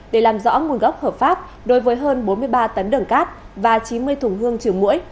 để làm rõ nguồn gốc hợp pháp đối với hơn bốn mươi ba tấn đường cát và chín mươi thùng hương trường mũi